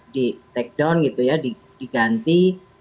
di takedown gitu ya diganti